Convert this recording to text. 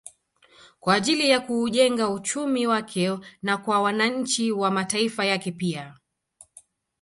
Kwa ajili ya kuujenga uchumi wake na kwa wananchi wa mataifa yake pia